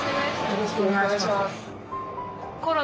よろしくお願いします。